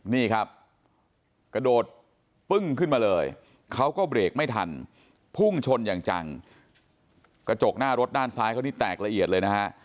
นี่ครับกระโดดปึ้งขึ้นมาเลยเขาก็เบรกไม่ทันพุ่งชนอย่างจังกระจกหน้ารถด้านซ้ายเขานี่แตกละเอียดเลยนะฮะ